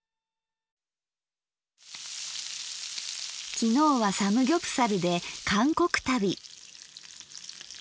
きのうはサムギョプサルで韓国旅。